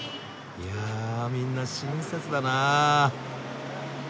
いやみんな親切だなあ。